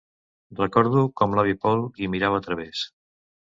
Recordo com l'avi Paul hi mirava a través.